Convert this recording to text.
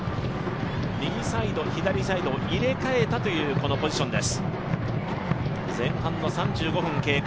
右サイド、左サイド、入れ替えたというポジションです。